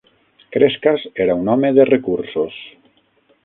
Crescas era un home de recursos.